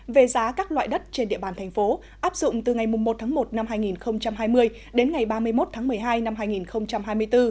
về giá các loại đất trên địa bàn thành phố áp dụng từ ngày một tháng một năm hai nghìn hai mươi đến ngày ba mươi một tháng một mươi hai năm hai nghìn hai mươi bốn